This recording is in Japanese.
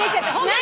何？